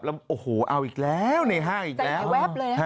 แล้วโอ้โหเอาอีกแล้วในห้างอีกแล้วใส่แหวบเลย